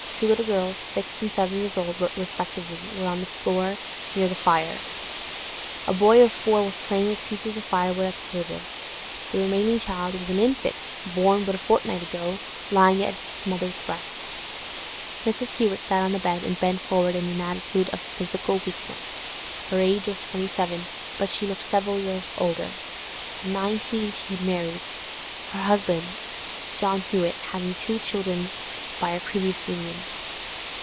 Two little girls, six and seven years old respectively, were on the floor near the fire; a boy of four was playing with pieces of firewood at the table. The remaining child was an infant, born but a fortnight ago, lying at its mother's breast. Mrs. Hewett sat on the bed, and bent forward in an attitude of physical weakness. Her age was twenty seven, but she looked several years older. At nineteen she had married; her husband, John Hewett, having two children by a previous union.